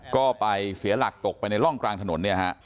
ก็ไปเสียหลักตกไปในร่องกลางถนนเนี่ยฮะ